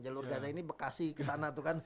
jalur gaza ini bekasi kesana tuh kan